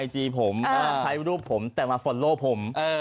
ต่อไปรูปผมแต่มาฟอลโล่ผม